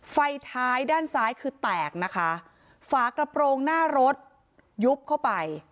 ไฟท้ายด้านซ้ายคือแตกนะคะฝากระโปรงหน้ารถยุบเข้าไป